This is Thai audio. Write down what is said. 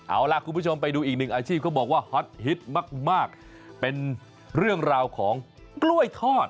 เอาล่ะคุณผู้ชมไปดูอีกหนึ่งอาชีพเขาบอกว่าฮอตฮิตมากมากเป็นเรื่องราวของกล้วยทอด